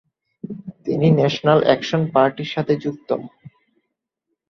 তিনি national action পার্টির সাথে যুক্ত।